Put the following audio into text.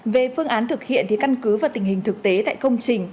về phương án thực hiện thì căn cứ vào tình hình thực tế tại công trình